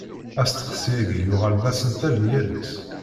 Asteqsi-agi, yuɣal d asentel n yal ass.